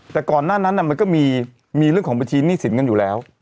แต่ก่อนหน้านั้นมันก็มีเรื่องของบัญชีหนี้สินกันอยู่แล้ว